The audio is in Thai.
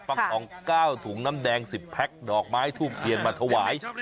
ฟังทอง๙ถุงน้ำแดง๑๐แพ็คดอกไม้ทูบเทียนมาถวาย